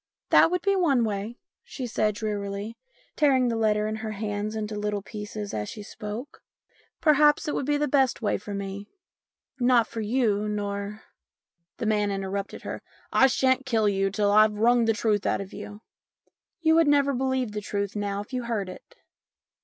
"That would be one way," she said drearityj tearing the letter in her hands into little pieces as she spoke. " Perhaps it would be the best way for me not for you, nor " 222 STORIES IN GREY The man interrupted her. " I shan't kill you till I've wrung the truth out of you." " You would never believe the truth now if you heard it."